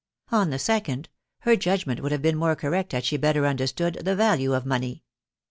Of the second, her judgment would have been more correct .had she better understood the value of money.